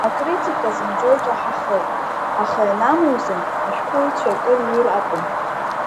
Ҳакритика зынӡа иҿаҳахеит, аха, ианамуӡа, ашәҟәыҩҩцәа акы рҩыр акәын.